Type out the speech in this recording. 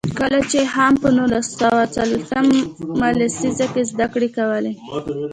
کله چې خاما په نولس سوه څلوېښت مه لسیزه کې زده کړې کولې.